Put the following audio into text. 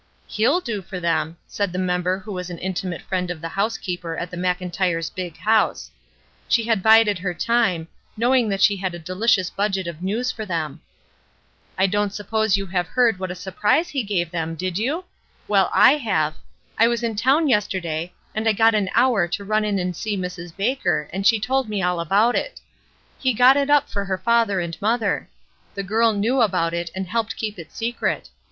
''He'll do for them," said the member who was an intimate friend of the housekeeper at the Mclntyres' 'big house.' She had bided her time, knowing that she had a dehcious budget of news for them. '' I don't suppose you have heard what a surprise he gave them, did you ? Well, I have. I was in town yesterday, and I got an hour to run in and see Mrs. Baker and she told me all about it. He got it up for her father and mother. The girl knew about it and helped keep it secret.